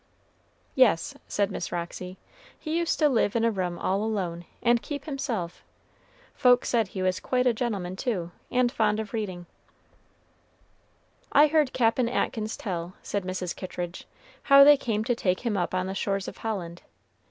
"Yes," said Miss Roxy, "he used to live in a room all alone, and keep himself. Folks said he was quite a gentleman, too, and fond of reading." "I heard Cap'n Atkins tell," said Mrs. Kittridge, "how they came to take him up on the shores of Holland.